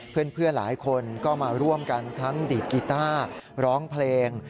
เพื่อนหลายคนก็มาร่วมกันทั้งดีดกีต้าร้องเพลง